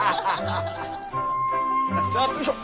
よいしょ。